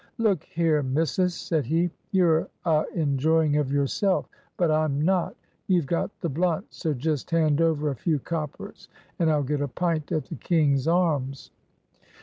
"Look here, missus," said he; "you're a enjoying of yourself, but I'm not. You've got the blunt, so just hand over a few coppers, and I'll get a pint at the King's Arms."